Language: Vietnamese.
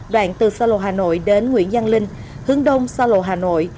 đoạn từ xa lộ hà nội đến nguyễn văn linh hướng đông xa lộ hà nội